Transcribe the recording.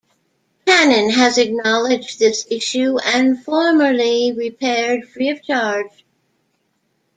Canon has acknowledged this issue and formerly repaired free of charge.